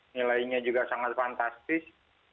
nilainya juga sangat fantastis